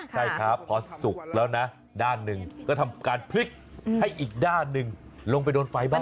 ใช่ครับพอสุกแล้วนะด้านหนึ่งก็ทำการพลิกให้อีกด้านหนึ่งลงไปโดนไฟบ้าง